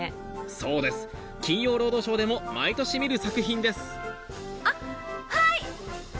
そうです『金曜ロードショー』でも毎年見る作品ですあっ！